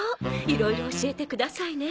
いろいろ教えてくださいね。